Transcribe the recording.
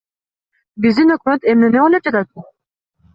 Биздин өкмөт эмнени ойлоп жатат?